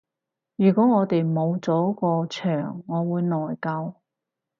如果我哋冇咗個場我會內疚